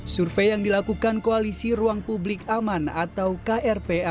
survei yang dilakukan koalisi ruang publik aman atau krpa